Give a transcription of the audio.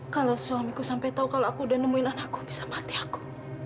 kalau suamiku sampai tahu kalau aku udah nemuin anakku bisa mati aku